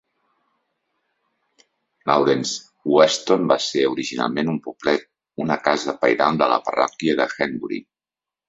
Lawrence Weston va ser originalment un poblet, una casa pairal de la parròquia de Henbury.